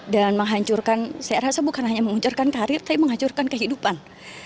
dan menghancurkan saya rasa bukan hanya menghancurkan karir tapi menghancurkan kehidupan